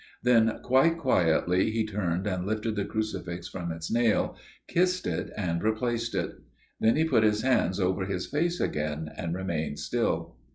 Then quite quietly he turned and lifted the crucifix from its nail, kissed it and replaced it. Then he put his hands over his face again and remained still.